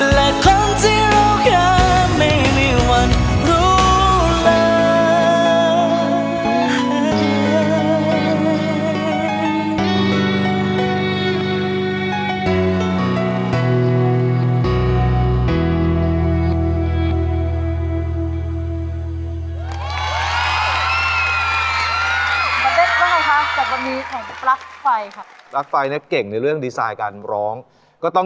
และคนที่เราแค่